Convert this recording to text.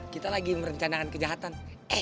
kita lagi merencanakan kejahatan